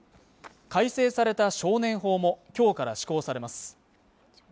改正された少年法も今日から施行されます